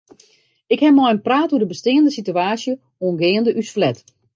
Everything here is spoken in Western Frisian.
Ik ha mei him praat oer de besteande sitewaasje oangeande ús flat.